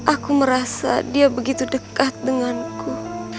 aku merasa dia begitu dekat denganku